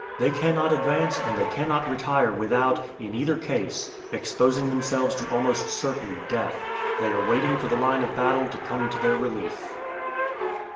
They cannot advance and they cannot retire without, in either case, exposing themselves to almost certain death. They are waiting for the line of battle to come to their relief.